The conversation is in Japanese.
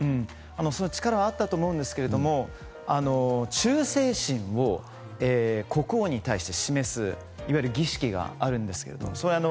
その力はあったと思うんですが忠誠心を国王に対して示すいわゆる儀式があるんですけれども。